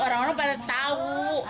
orang orang pada tahu